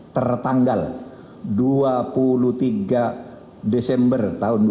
tertanggal dua puluh tiga desember dua ribu empat belas